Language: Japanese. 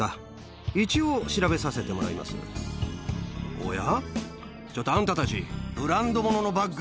おや？